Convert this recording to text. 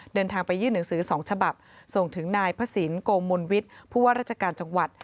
เดินทางไปยื่นหนังสือ๒ฉบับส่งถึงนายพระศิลปโกมลวิทย์ผู้ว่าราชการจังหวัด